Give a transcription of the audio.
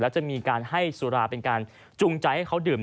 แล้วจะมีการให้สุราเป็นการจูงใจให้เขาดื่ม